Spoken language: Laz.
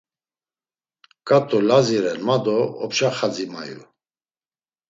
Ǩat̆u Lazi ren ma do opşa xadzi mayu.